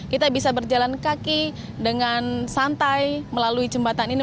kita bisa berjalan kaki dengan santai melalui jembatan ini